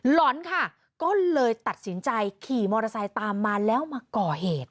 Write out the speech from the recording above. หลอนค่ะก็เลยตัดสินใจขี่มอเตอร์ไซค์ตามมาแล้วมาก่อเหตุ